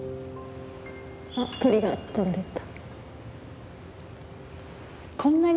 あっ鳥が飛んでった。